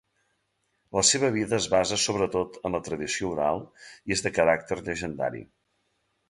La seva vida es basa sobretot en la tradició oral i és de caràcter llegendari.